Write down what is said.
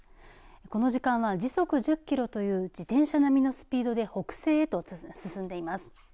この時間は時速１０キロという自転車並みのスピードで北西へと進んでいます。